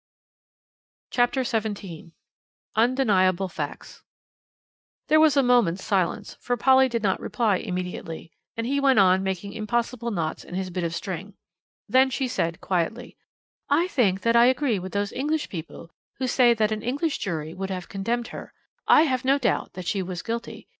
CHAPTER XVII UNDENIABLE FACTS There was a moment's silence, for Polly did not reply immediately, and he went on making impossible knots in his bit of string. Then she said quietly "I think that I agree with those English people who say that an English jury would have condemned her.... I have no doubt that she was guilty.